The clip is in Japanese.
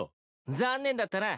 残念だったな。